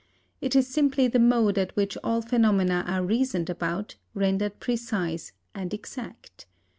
It is simply the mode at which all phenomena are reasoned about, rendered precise and exact.